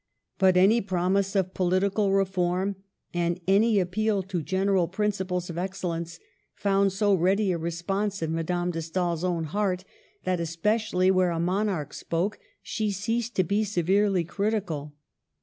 But any promise of political reform and any appeal to general principles of excellence found so ready a response in Madame de Stael's own heart that, especially where a mon arch spoke, she ceased to be severely critical.